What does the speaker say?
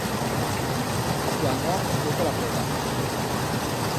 Este anyo he feto la preba.